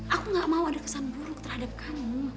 aku gak mau ada kesan buruk terhadap kamu